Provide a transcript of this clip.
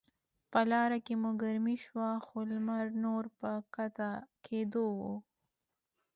په لاره کې مو ګرمي شوه، خو لمر نور په کښته کیدو و.